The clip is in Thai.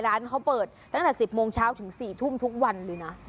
ร้านเขาเปิดตั้งแต่๑๐โมงเช้าถึง๔ทุ่มทุกวันเลยนะ